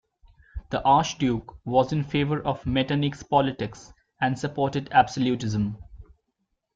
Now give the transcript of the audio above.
The Archduke was in favour of Metternich's politics and supported absolutism.